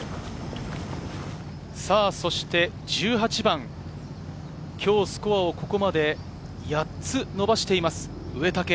そして１８番、今日スコアをここまで８つ伸ばしています、植竹。